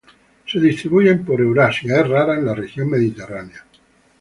Se distribuye por Eurasia; es rara en la Región mediterránea.